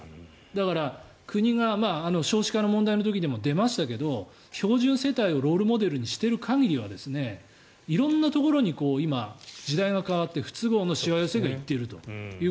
だから国が少子化の問題の時にも出ましたけど標準世帯をロールモデルにしている限りは色んなところに今時代が変わって不都合のしわ寄せが寄って行っていると。